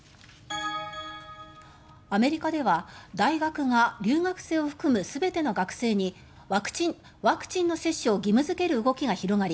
アメリカでは、大学が留学生を含む全ての学生にワクチンの接種を義務付ける動きが広がり